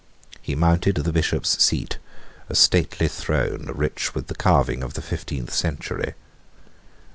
He mounted the Bishop's seat, a stately throne rich with the carving of the fifteenth century.